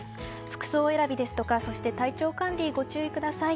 服装選びですとか、体調管理にご注意ください。